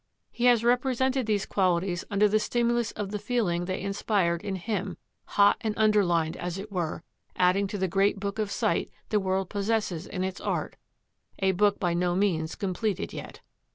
He has represented these qualities under the stimulus of the feeling they inspired in him, hot and underlined, as it were, adding to the great book of sight the world possesses in its art, a book by no means completed yet.